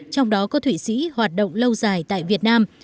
trong đó có thụy sĩ hoạt động lâu dài tại việt nam